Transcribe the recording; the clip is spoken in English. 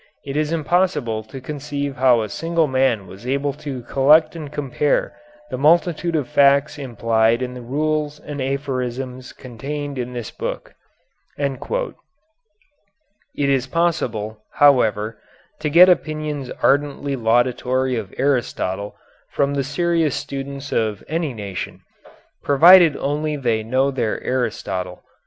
It is impossible to conceive how a single man was able to collect and compare the multitude of facts implied in the rules and aphorisms contained in this book." It is possible, however, to get opinions ardently laudatory of Aristotle from the serious students of any nation, provided only they know their Aristotle.